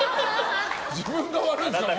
自分が悪いんですよ。